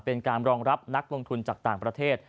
เป็นการรองรับนักลงทุนจากต่างประเทศ